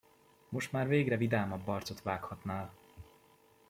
Most már végre vidámabb arcot vághatnál!